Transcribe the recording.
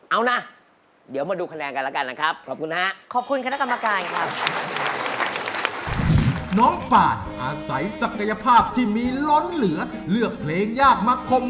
เอานะเดี๋ยวมาดูคะแนนกันแล้วกันนะครับ